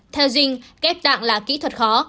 theo dinh kép tạng là kỹ thuật khó